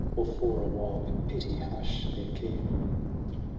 Or for a while in pity hush their care.